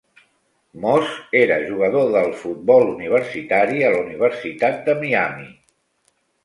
Moss era jugador del futbol universitari a la Universitat de Miami.